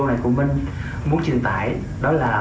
này của mình muốn truyền tải đó là